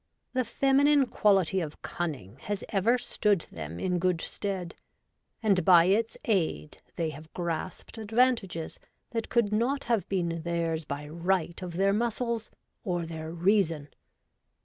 The WOMEN IN MEN'S EMPLOYMENTS. 133 feminine quality of cunning has ever stood them in good stead, and by its aid they have grasped advantages that could not have been theirs by right of their muscles or their reason.